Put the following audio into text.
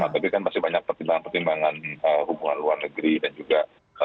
tapi kan masih banyak pertimbangan pertimbangan hubungan luar negeri dan juga